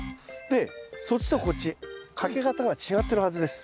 でそっちとこっちかけ方が違ってるはずです。